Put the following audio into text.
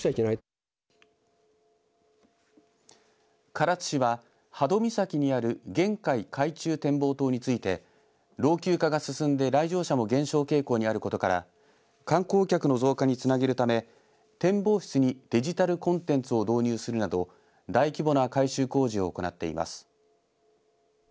唐津市は波戸岬にある玄海海中展望塔について老朽化が進んで来場者も減少傾向にあることから観光客の増加につなげるため展望室にデジタルコンテンツを導入するなど大規模な改修工事を行っています。